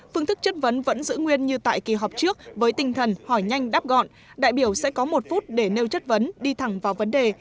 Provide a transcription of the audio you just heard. phương thức chất vấn vẫn giữ nguyên như tại kỳ họp trước với tinh thần hỏi nhanh đáp gọn đại biểu sẽ có một phút để nêu chất vấn đi thẳng vào vấn đề